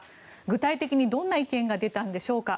具体的にどんな意見が出たのでしょうか。